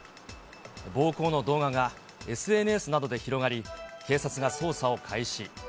暴行の動画がＳＮＳなどで広がり、警察が捜査を開始。